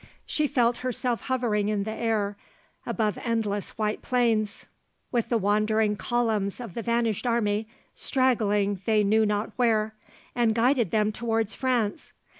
She felt herself hovering in the air above endless white plains, with the wandering columns of the vanished army straggling they knew not where, and guided them towards France.